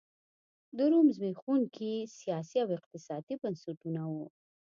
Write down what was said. د روم زبېښونکي سیاسي او اقتصادي بنسټونه وو